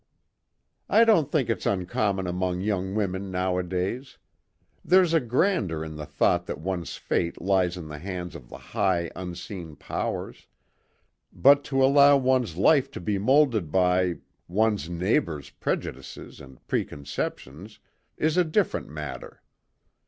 "I don't think it's uncommon among young women nowadays. There's a grandeur in the thought that one's fate lies in the hands of the high unseen powers; but to allow one's life to be moulded by one's neighbours' prejudices and preconceptions is a different matter.